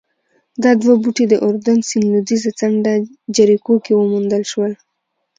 دا دوه بوټي د اردن سیند لوېدیځه څنډه جریکو کې وموندل شول